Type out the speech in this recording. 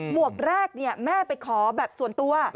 หวกแรกแม่ไปขอแบบส่วนตัว